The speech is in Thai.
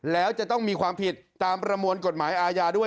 แล้วจะต้องมีความผิดตามประมวลกฎหมายอาญาด้วย